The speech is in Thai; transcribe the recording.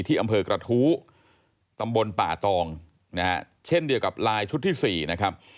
อำเภอกระทู้ตำบลป่าตองนะฮะเช่นเดียวกับลายชุดที่๔นะครับ